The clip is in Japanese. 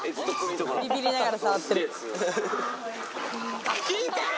・ビビりながら触ってる。